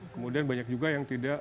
kemudian banyak juga yang tidak